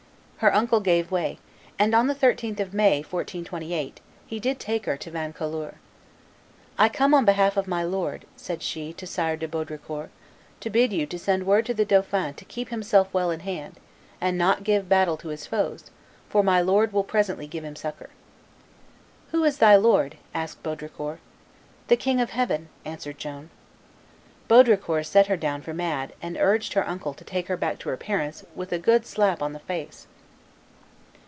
Her uncle gave way, and on the 13th of May, 1428, he did take her to Vaucouleurs. "I come on behalf of my Lord," said she to Sire de Baudricourt, "to bid you send word to the dauphin to keep himself well in hand, and not give battle to his foes, for my Lord will presently give him succor." "Who is thy lord?" asked Baudricourt. "The King of Heaven," answered Joan. Baudricourt set her down for mad, and urged her uncle to take her back to her parents "with a good slap o' the face."